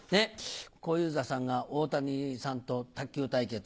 小遊三さんが「大谷さんと卓球対決」。